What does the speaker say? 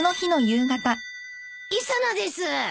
☎磯野です。